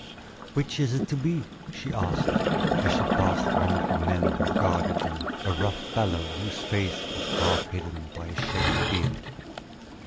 "Which is it to be?" she asked, as she passed one of the men who guarded them, a rough fellow, whose face was half hidden by a shaggy beard.